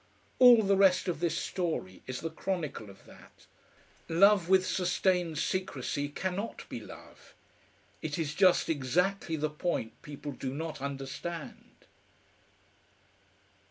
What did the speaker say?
All the rest of this story is the chronicle of that. Love with sustained secrecy cannot be love. It is just exactly the point people do not understand.